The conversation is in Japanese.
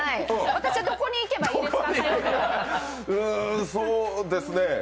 私はどこに行けばいいですか？